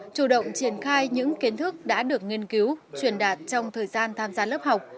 chủ động triển khai những kiến thức đã được nghiên cứu truyền đạt trong thời gian tham gia lớp học